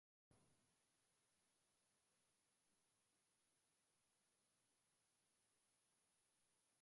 mwaka elfu moja mia tisa hamsini na nane Sajenti mtumishi